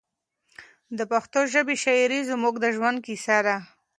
د پښتو ژبې شاعري زموږ د ژوند کیسه ده.